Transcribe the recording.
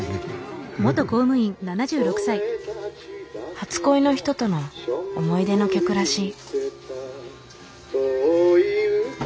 初恋の人との思い出の曲らしい。